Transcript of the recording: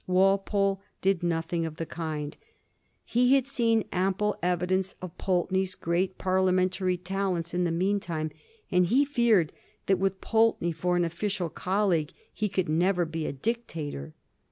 Walpole did nothing of the kind. He had seen ample evidence of Pulteney's great Par liamentary talents in the meantime, and he feared that with Pulteney for an official colleague he could never be a dictator.